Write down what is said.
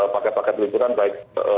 paket paket liputan baik